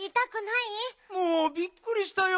もうびっくりしたよ。